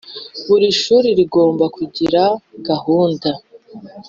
Buri shuri rigomba kugira gahunda